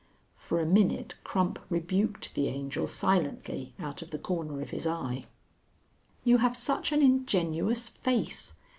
For a minute Crump rebuked the Angel silently out of the corner of his eye. "You have such an ingenuous face.